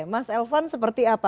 mas elvan seperti apa